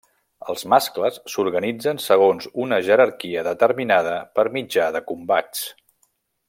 Els mascles s'organitzen segons una jerarquia determinada per mitjà de combats.